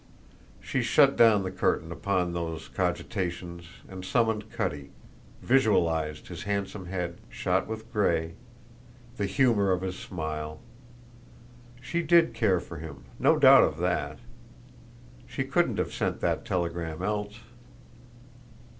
She shut down the curtain upon these cogitations and summoned Cutty, visualized his handsome head, shot with gray, the humour of his smile. She did care for him; no doubt of that. She couldn't have sent that telegram else.